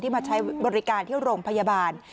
มาใช้บริการที่โรงพยาบาล